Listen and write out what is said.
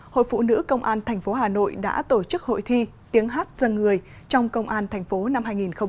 hội phụ nữ công an tp hà nội đã tổ chức hội thi tiếng hát dân người trong công an thành phố năm hai nghìn hai mươi